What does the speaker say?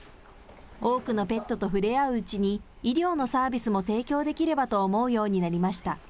多くのペットと触れ合ううちに、医療のサービスも提供できればと思うようになりました。